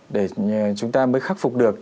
để chúng ta mới khắc phục được